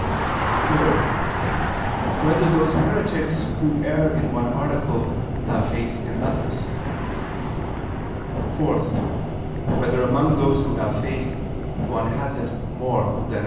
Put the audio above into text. (3) Whether those heretics who err in one article, have faith in others? (4) Whether among those who have faith, one has it more than another?